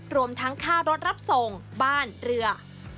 รวมทั้งค่ารถรับส่งบ้านเรือ